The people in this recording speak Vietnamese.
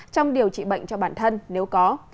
trong điều trị bệnh cho bản thân nếu có